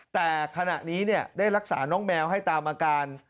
แต่ขณะนี้ได้รักษาน้องแมวให้ตามอาการ